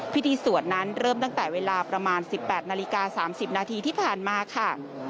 พิธีสวดนั้นเริ่มตั้งแต่เวลาประมาณ๑๘นาฬิกา๓๐นาทีที่ผ่านมาค่ะ